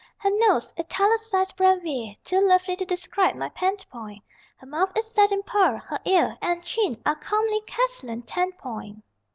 Her nose, italicized brevier, Too lovely to describe by penpoint; Her mouth is set in pearl: her ear And chin are comely Caslon ten point.